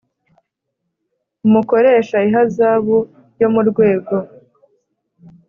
Umukoresha ihazabu yo mu rwego